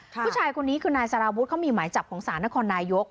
ผู้ชายคนนี้คือนายสารวุฒิเขามีหมายจับของศาลนครนายก